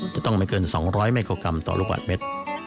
จะต้องไม่เกิน๒๐๐มิโครกรัมต่อลูกบาทเมตร